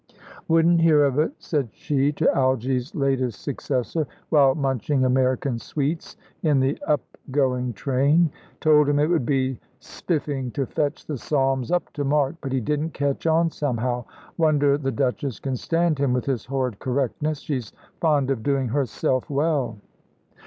"Wouldn't hear of it," said she, to Algy's latest successor, while munching American sweets in the up going train. "Told him it would be spiffing to fetch the psalms up to mark, but he didn't catch on somehow. Wonder the Duchess can stand him, with his horrid correctness. She's fond of doing herself well."